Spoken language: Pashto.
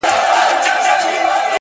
o اوښکي دي پر مځکه درته ناڅي ولي،